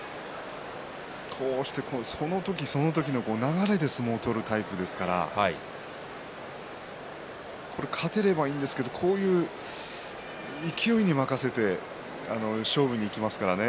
こうしてその時その時の流れで相撲を取るタイプですから勝てればいいんですけれど勢いに任せて勝負にいきますからね